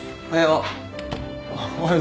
おはよう。